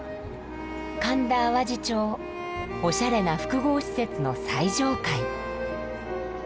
神田淡路町おしゃれな複合施設の最上階。